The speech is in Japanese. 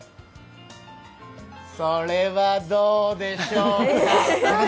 それはどうでしょうか？